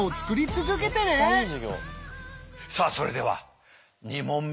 さあそれでは２問目。